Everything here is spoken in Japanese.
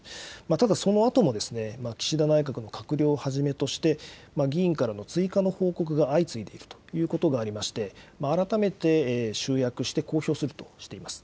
ただそのあとも岸田内閣の閣僚をはじめとして、議員からの追加の報告が相次いでいるということがありまして、改めて集約して公表するとしています。